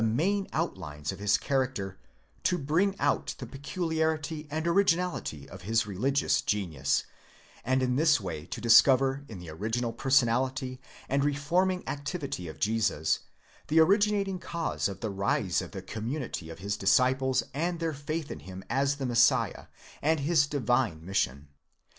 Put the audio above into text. main outlines of his character, to bring out the pecu liarity and originality of his religious genius, and im this way to discover in the original personality and reforming activity of Jesus the originating cause of the rise of the community of his disciples and their faith in him as the Messiah and his divine mis sion.